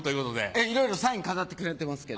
ええいろいろサイン飾ってくれてますけど。